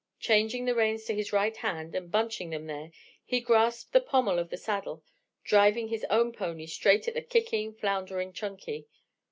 Changing the reins to his right hand and bunching them there, he grasped the pommel of the saddle, driving his own pony straight at the kicking, floundering Chunky.